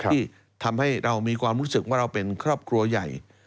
ที่ทำให้เรามีความรู้สึกว่าเราเป็นครอบครัวใหญ่